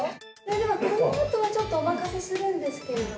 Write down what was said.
でもこのあとはちょっとお任せするんですけれども。